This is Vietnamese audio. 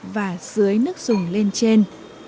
và sưới nước dùng lên trên